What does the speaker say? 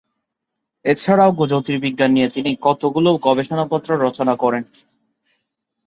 এছাড়াও জ্যোতির্বিজ্ঞান নিয়ে তিনি কতগুলো গবেষণাপত্র রচনা করেন।